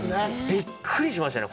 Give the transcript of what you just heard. びっくりしましたね。